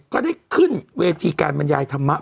ก็ได้ขึ้นเวทีการบรรยายธรรมะ